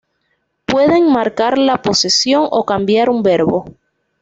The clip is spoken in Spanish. Pueden marcar la posesión o cambiar un verbo.